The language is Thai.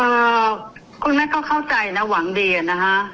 เอ่อคุณแม่เขาเข้าใจนะหวังดีอะนะฮะ